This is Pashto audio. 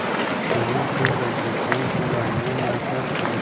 ښوونکي له زده کوونکو معنوي ملاتړ کوي.